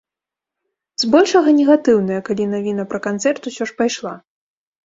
Збольшага негатыўная, калі навіна пра канцэрт усё ж пайшла.